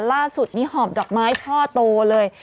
ล่าสุดนี้หอบดอกไม้ช่อโตเลย